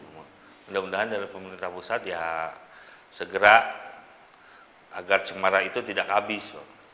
mudah mudahan dari pemerintah pusat ya segera agar cemara itu tidak habis